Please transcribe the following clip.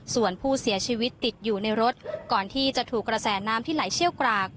ส่วนผู้เสียชีวิตติดอยู่ในรถก่อนที่จะถูกกระแสน้ำที่ไหลเชี่ยวกราก